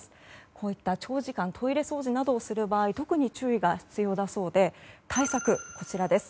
こういった長時間トイレ掃除などをする場合は特に注意が必要だそうで対策はこちらです。